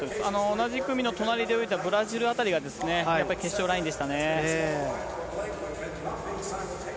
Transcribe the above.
同じ組の隣で泳いでいたブラジルあたりが、やっぱり決勝ラインでしたね。